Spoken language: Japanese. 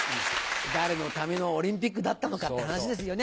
誰のためのオリンピックだったのかって話ですよね。